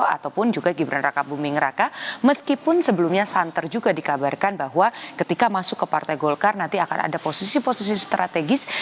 ataupun juga gibran raka buming raka meskipun sebelumnya santer juga dikabarkan bahwa ketika masuk ke partai golkar nanti akan ada posisi posisi strategis